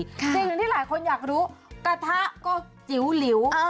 จริงที่หลายคนอยากรู้กระทะก็จิ๋วหลิว